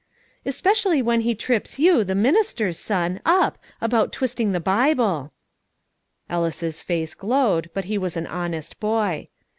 "Especially when he trips you, the minister's son, up, about twisting the Bible." Ellis's face glowed, but he was an honest boy.